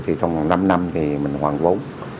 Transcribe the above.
thì trong năm năm thì mình hoàn vốn